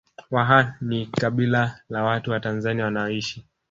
Waha ni kabila la watu wa Tanzania wanaoishi